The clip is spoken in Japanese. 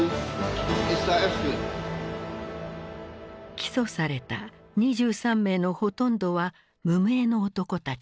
起訴された２３名のほとんどは無名の男たちだった。